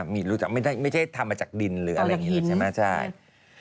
ไม่ใช่ทำมาจากดินหรืออะไรอย่างนี้เลยใช่ไหม